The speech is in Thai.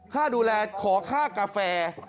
ค่าดูแลขอค่ากาแฟ